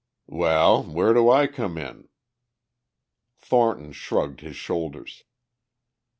"Well, where do I come in?" Thornton shrugged his shoulders.